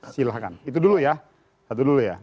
silahkan itu dulu ya